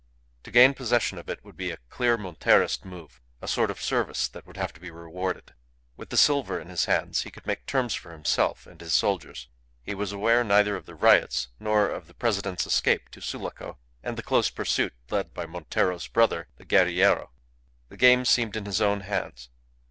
To gain possession of it would be a clear Monterist move; a sort of service that would have to be rewarded. With the silver in his hands he could make terms for himself and his soldiers. He was aware neither of the riots, nor of the President's escape to Sulaco and the close pursuit led by Montero's brother, the guerrillero. The game seemed in his own hands.